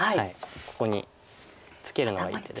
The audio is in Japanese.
ここにツケるのがいい手で。